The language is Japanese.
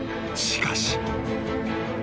［しかし］